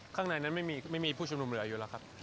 ข้างในนั้นไม่มีผู้ชุมนุมเหลืออยู่แล้วครับ